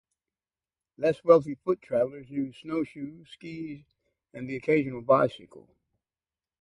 Less wealthy foot-travelers used snowshoes, skis, and the occasional bicycle.